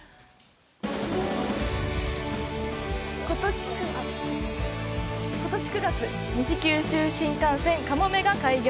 ことし９月西九州新幹線「かもめ」が開業！